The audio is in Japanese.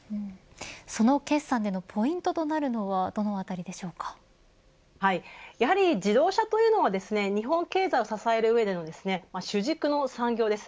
その決算でのポイントとなるのはやはり自動車というのは日本経済を支える上での主軸の産業です。